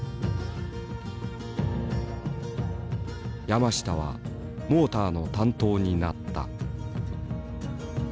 山下はモーターの担当になった。